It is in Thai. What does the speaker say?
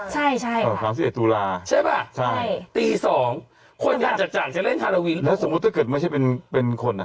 ตี้๒คนอาจจะเล่นฮารอวีนแล้วถ้าเกิดมามันไม่ใช่เป็นคนอ่ะ